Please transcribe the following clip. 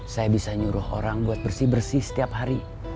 saya bisa nyuruh orang buat bersih bersih setiap hari